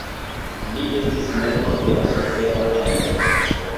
Li estis membro de la supera ĉambro.